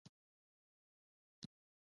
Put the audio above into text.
پاچا له خلکو نه لوړه ماليه اخلي .